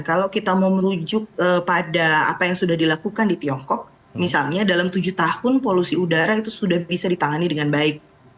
kalau kita mau merujuk pada apa yang sudah dilakukan di tiongkok misalnya dalam tujuh tahun polusi udara itu sudah bisa ditangani dengan baik